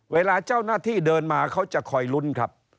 เวลาเจ้าหน้าที่เดินมาเขาจะคอยลุ้นครับ